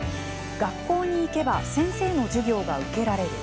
学校に行けば先生の授業が受けられる。